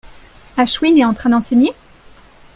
Ashwin est en train d'enseigner ?